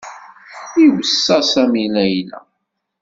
Iweṣṣa Sami Layla.